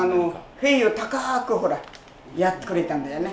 塀を高く、ほら、やってくれたんだよね。